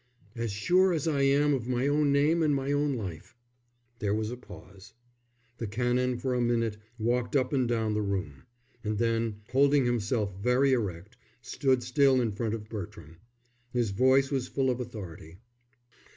"As sure as I am of my own name and of my own life." There was a pause. The Canon for a minute walked up and down the room; and then, holding himself very erect, stood still in front of Bertram. His voice was full of authority.